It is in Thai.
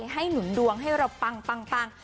หนุนดวงให้เราปัง